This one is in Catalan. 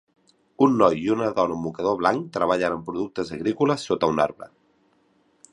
Un noi i una dona amb un mocador blanc treballen amb productes agrícoles sota un arbre.